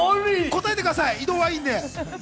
答えてください、移動はいいので。